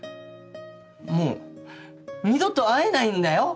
もう二度と会えないんだよ？